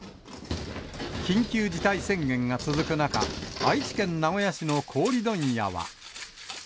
緊急事態宣言が続く中、愛知県名古屋市の氷問屋は。